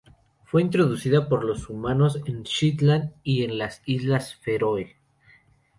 Fue introducida por los humanos en Shetland y en las Islas Feroe.